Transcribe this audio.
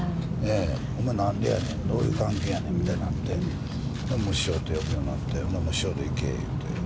お前なんでやねん、どういう関係やねんみたいになって、もう師匠って呼ぶようになって、もう師匠でいけいうて。